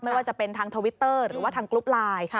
ไม่ว่าจะเป็นทางทวิตเตอร์หรือว่าทางกรุ๊ปไลน์